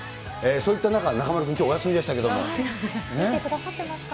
そういった中、中丸君、きょうお休みでしたけれども。